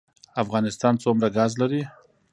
افغانستان څومره ګاز لري؟